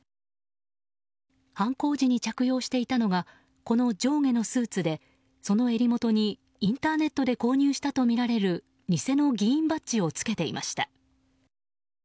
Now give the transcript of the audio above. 犯行時に着用していたのがこの上下のスーツでその襟元にインターネットで購入したとみられる偽の議員バッジを着けていました。